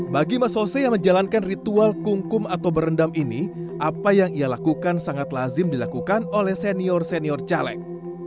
bagi mas ose yang menjalankan ritual kungkum atau berendam ini apa yang ia lakukan sangat lazim dilakukan oleh senior senior caleg